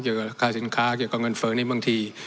เกี่ยวกับค่าสินค้าเกี่ยวกับเงินเฟิร์นนี่บางที